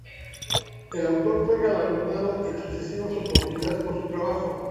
El autor fue galardonado en sucesivas oportunidades por su trabajo.